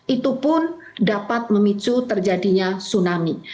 itu pun dapat memicu terjadinya tsunami